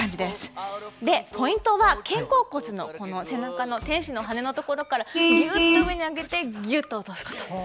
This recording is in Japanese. ポイントは肩甲骨の背中の天使の羽のところからギュッと上に上げてギュッと落とすこと。